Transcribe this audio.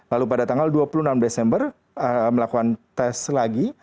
lalu pada tanggal dua puluh enam desember melakukan tes lagi